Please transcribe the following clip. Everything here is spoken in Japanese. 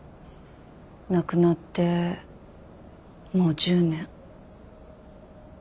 亡くなってもう１０年。